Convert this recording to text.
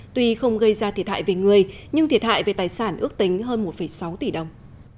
tuy không gây ra thiệt hại về người nhưng thiệt hại về tài sản ước tính hơn một sáu tỷ đồng